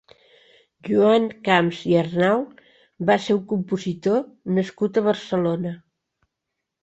Joan Camps i Arnau va ser un compositor nascut a Barcelona.